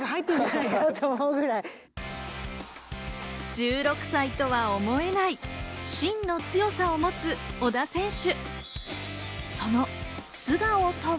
１６歳とは思えない芯の強さを持つ小田選手。